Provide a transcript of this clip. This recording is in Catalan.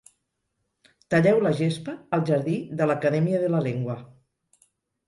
Talleu la gespa al jardí de l'Academia de la Lengua.